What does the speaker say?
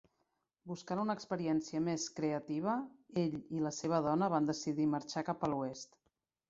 Buscant una experiència més "creativa", ell i la seva dona van decidir marxar cap a l'Oest.